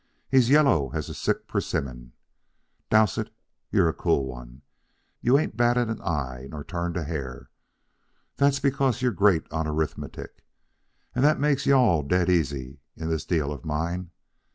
He's yellow as a sick persimmon. Dowsett, you're a cool one. You all ain't batted an eye nor turned a hair. That's because you're great on arithmetic. And that makes you all dead easy in this deal of mine.